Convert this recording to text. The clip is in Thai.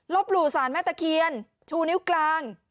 หลู่สารแม่ตะเคียนชูนิ้วกลาง